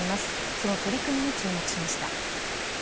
その取り組みに注目しました。